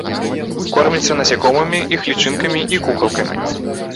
Корміцца насякомымі, іх лічынкамі і кукалкамі.